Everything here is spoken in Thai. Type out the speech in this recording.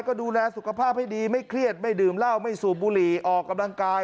ก็ดูแลสุขภาพให้ดีไม่เครียดไม่ดื่มเหล้าไม่สูบบุหรี่ออกกำลังกาย